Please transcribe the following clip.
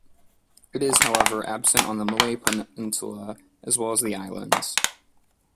It is however absent on the Malay peninsula, as well as the islands.